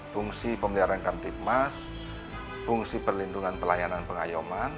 fungsi pemeliharaan kartu emas fungsi perlindungan pelayanan pengayuman